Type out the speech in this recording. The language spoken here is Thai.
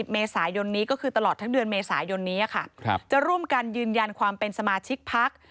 ๑๓๐เมษายนจะร่วมการยืนยันความเป็นสมาชิกภักษ์